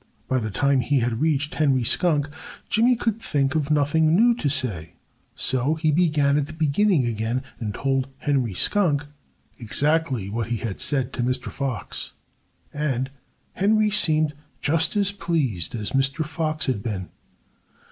By the time he had reached Henry Skunk, Jimmy could think of nothing new to say. So he began at the beginning again and told Henry Skunk exactly what he had said to Mr. Fox. And Henry seemed just as pleased as Mr. Fox had been.